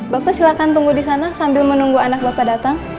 bapak silakan tunggu di sana sambil menunggu anak bapak datang